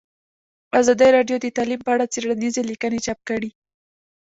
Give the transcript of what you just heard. ازادي راډیو د تعلیم په اړه څېړنیزې لیکنې چاپ کړي.